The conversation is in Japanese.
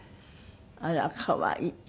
あら可愛い。